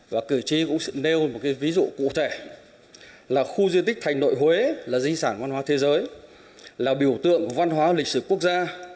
và cử tri cũng nêu một cái ví dụ cụ thể là khu di tích thành nội huế là di sản văn hóa thế giới là biểu tượng của văn hóa lịch sử quốc gia